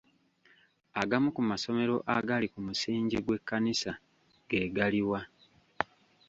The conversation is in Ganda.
Agamu ku masomero agali ku musingi gw'ekkanisa ge gali wa?